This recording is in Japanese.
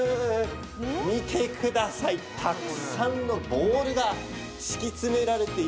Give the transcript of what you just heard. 見てください、たくさんのボールが敷き詰められています。